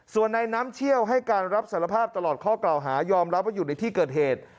ส่วนในน้ำเชี่ยวให้การรับสารภาพตลอดข้อกล่าวหายอมรับว่าอยู่ในที่เกิดเหตุ